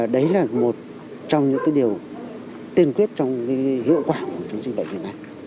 đấy là một trong những điều tiên quyết trong hiệu quả của chống dịch bệnh này